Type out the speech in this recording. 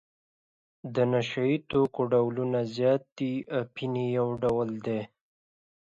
د نشه یي توکو ډولونه زیات دي اپین یې یو ډول دی.